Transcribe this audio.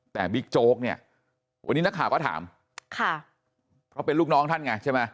แต่บิ๊กโจ๊กเนี่ยวันนี้นักข่าวก็ถามค่ะเพราะเป็นลูกน้องท่านไงใช่ไหม